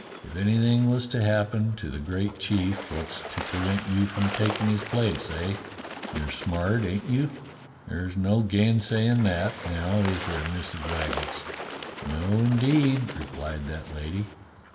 If anything was to happen to the great chief wot's to prevent you from takin' his place, eh.'* You're smart, ain't you.? There's no gainsay in' that, now, is there. Missus Waggetts.?" "No, indeed," replied that lady.